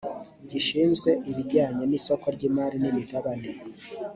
gishinzwe ibijyanye n’isoko ry’imari n’imigabane